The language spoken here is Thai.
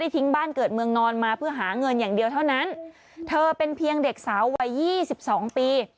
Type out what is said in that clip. เธอเป็นเพียงเด็กสาววัย๒๒ปี